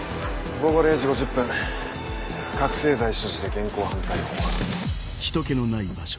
午後０時５０分覚醒剤所持で現行犯逮捕。